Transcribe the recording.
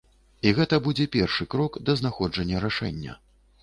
І гэта будзе першы крок да знаходжання рашэння.